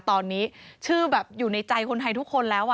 ตอนนี้ชื่อแบบอยู่ในใจคนไทยทุกคนแล้ว